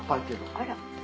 あら。